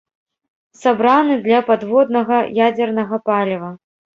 Сабраны для падводнага ядзернага паліва.